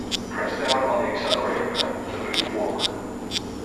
Press down on the accelerator pedal to move forward.